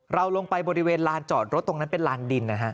เราลงไปบริเวณลานจอดรถตรงนั้นเป็นลานดินนะฮะ